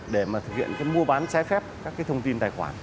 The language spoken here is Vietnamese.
để thực hiện mua bán trái phép các thông tin tài khoản